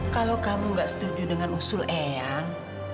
kalau kamu gak setuju dengan usul eyang